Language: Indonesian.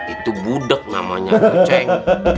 itu budeg namanya kak ceng